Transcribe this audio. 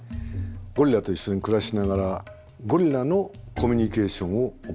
ゴリラと一緒に暮らしながらゴリラのコミュニケーションを覚えました。